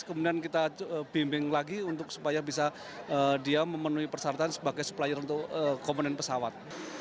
kemudian kita bimbing lagi untuk supaya bisa dia memenuhi persyaratan sebagai supplier untuk komponen pesawat